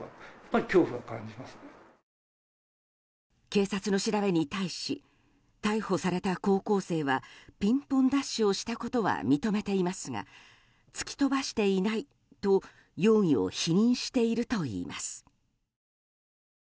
警察の調べに対し逮捕された高校生はピンポンダッシュをしたことは認めていますが突き飛ばしていないと容疑を否認しているといいます。